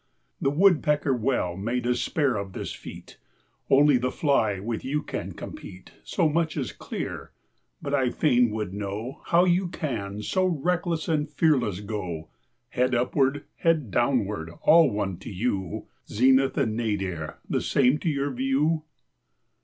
The woodpecker well may despair of this feat— Only the fly with you can compete! So much is clear; but I fain would know How you can so reckless and fearless go, Head upward, head downward, all one to you, Zenith and nadir the same to your view?